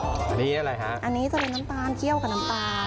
อันนี้อะไรฮะอันนี้จะเป็นน้ำตาลเคี่ยวกับน้ำตาล